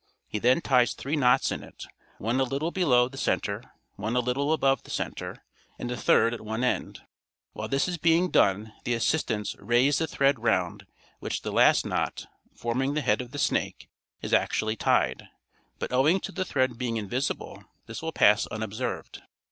He then ties three knots in it, one a little below the center, one a little above the center, and the third at one end. While this is being done the assistants raise the thread round which the last knot, forming the head of the snake, is actually tied; but owing to the thread being invisible this will pass unobserved.